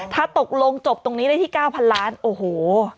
ถ้าตกลงจบตรงนี้ได้ที่๙๐๐ล้านโอ้โห